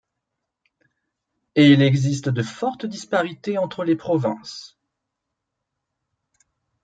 Et il existe de fortes disparités entre les provinces.